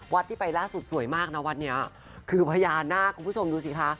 ที่ไปล่าสุดสวยมากนะวัดนี้คือพญานาคคุณผู้ชมดูสิคะ